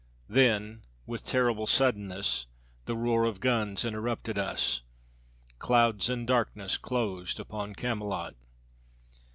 Then, with terrible suddenness, the roar of guns interrupted us. Clouds and darkness Closed upon Camelot.